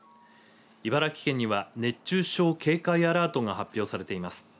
茨城県には熱中症警戒アラートが発表されています。